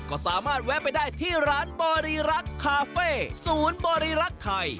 ก็สามารถแวะไปได้ที่ร้านบริรักษ์คาเฟ่ศูนย์บริรักษ์ไทย